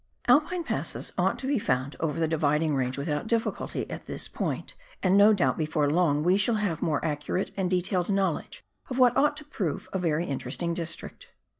Alpine passes ought to be found over the Dividing Range without difficulty at this point, and no doubt before long we shall have more accurate and detailed knowledge of what ought to prove a very interesting district.